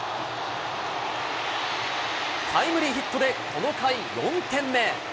タイムリーヒットでこの回４点目。